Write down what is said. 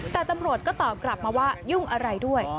แต่ตำรวจก็ตอบกลับมาว่ายุ่งอะไรด้วย